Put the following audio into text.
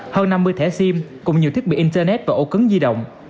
hơn năm mươi thẻ sim cùng nhiều thiết bị internet và ô cứng di động